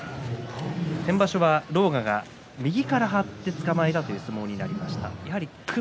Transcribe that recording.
先場所は狼雅が右から張ってつかまえてという相撲になりました。